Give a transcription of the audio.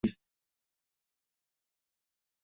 মোহন কহিল, মার্জনা আর করিলেন কই।